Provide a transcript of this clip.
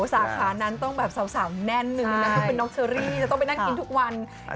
สาขานั้นต้องแสวแน่นหนึ่งที่นองเชอรี่ต้องไปนั่งกินทุกวัน